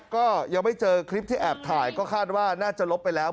ก็ยังไม่เจอคลิปที่แอบถ่ายก็คาดว่าน่าจะลบไปแล้ว